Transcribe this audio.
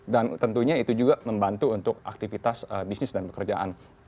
dan tentunya itu juga membantu untuk aktivitas bisnis dan pekerjaan